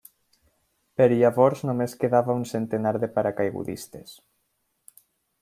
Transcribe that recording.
Per llavors només quedava un centenar de paracaigudistes.